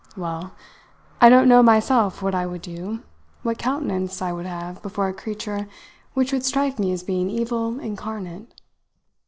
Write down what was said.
"Well! I don't know myself what I would do, what countenance I would have before a creature which would strike me as being evil incarnate.